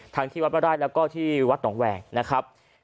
ทั้งที่วัดบ้านไหล่แล้วก็ที่วัดหนองแวงนะครับ